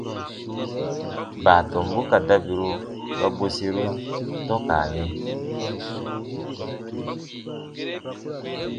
Baatɔmbu ka dabiru ba bweserun tɔ̃ka yɛ̃.